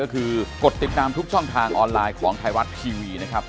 ก็คือกดติดตามทุกช่องทางออนไลน์ของไทยรัฐทีวีนะครับ